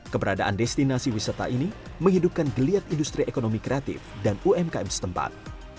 keberadaan destinasi wisata ini menghidupkan geliat industri ekonomi kreatif dan umkm setempat